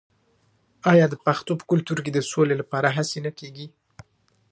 آیا د پښتنو په کلتور کې د سولې لپاره هڅې نه کیږي؟